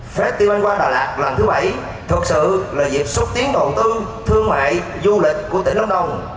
festival hoa đà lạt lần thứ bảy thực sự là dịp xúc tiến đầu tư thương mại du lịch của tỉnh lâm đồng